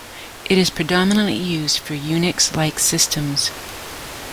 It is predominantly used for Unix-like systems.